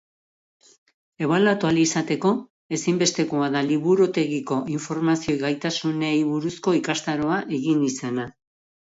Ebaluatu ahal izateko, ezinbestekoa da liburutegiko informazio-gaitasunei buruzko ikastaroa egin izana.